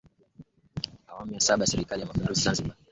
wa awamu ya saba wa serikali ya mapinduzi zanzibar aapishwa hii leo